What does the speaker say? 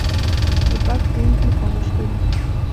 توپک ښوونکي خاموش کړي.